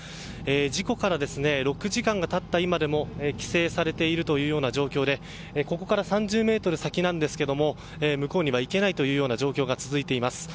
事故から６時間が経った今でも規制されているという状況でここから３０ｍ先なんですが向こうには行けないという状況が続いています。